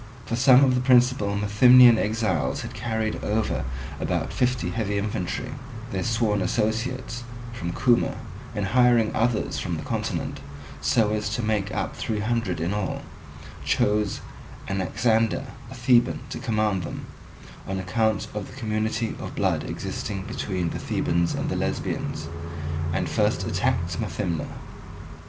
For some of the principal Methymnian exiles had carried over about fifty heavy infantry, their sworn associates, from Cuma, and hiring others from the continent, so as to make up three hundred in all, chose Anaxander, a Theban, to command them, on account of the community of blood existing between the Thebans and the Lesbians, and first attacked Methymna.